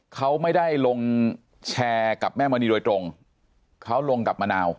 เขาไม่ได้ลงแชร์กับแม่มณีโดยตรงเขาลงกับมะนาว